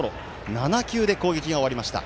７球で攻撃が終わりました。